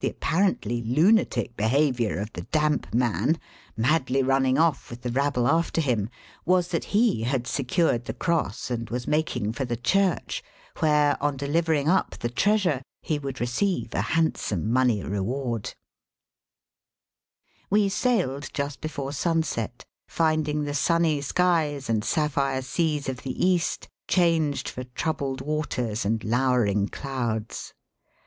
The apparently lunatic behaviour of the damp man, madly running off with the rabble after him, was that he had secured the cross and was making for the church, where, on delivering up the treasm e, he would receive a handsome money reward. Digitized by VjOOQIC 358: EAST BY WEST, We sailed just before sunset, finding the sunny skies and sapphire seas of the East ohonged for troubled waters and lowering clouds.